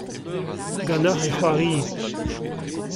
ganeoc'h e c'hoarie.